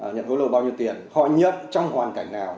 nhận hối lộ bao nhiêu tiền họ nhận trong hoàn cảnh nào